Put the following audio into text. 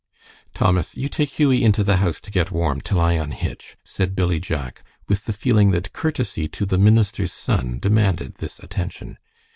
"Thomas, you take Hughie into the house to get warm, till I unhitch," said Billy Jack, with the feeling that courtesy to the minister's son demanded this attention.